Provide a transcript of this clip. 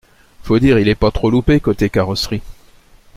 Faut dire, il est pas trop loupé, côté carrosserie.